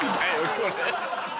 これ。